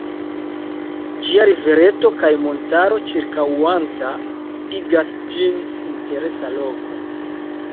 Ĝia rivereto kaj montaro ĉirkaŭanta igas ĝin interesa loko.